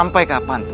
masa ini terjadi itu